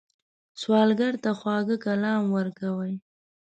سوالګر ته خواږه کلام ورکوئ